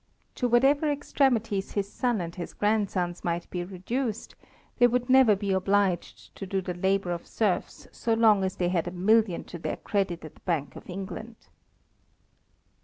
To whatever extremities his son and his grandsons might be reduced, they would never be obliged to do the labour of serfs so long as they had a million to their credit at the Bank of England.